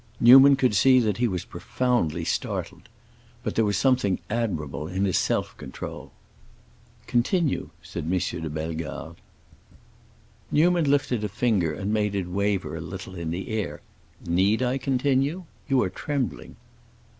Newman could see that he was profoundly startled; but there was something admirable in his self control. "Continue," said M. de Bellegarde. Newman lifted a finger and made it waver a little in the air. "Need I continue? You are trembling."